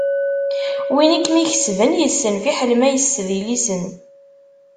Win i kem-ikesben yessen, fiḥel ma yessed ilisen.